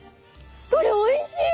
これおいしい！